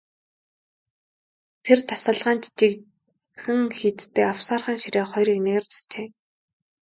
Тэр тасалгаанд жигдхэн хийцтэй авсаархан ширээ хоёр эгнээгээр засжээ.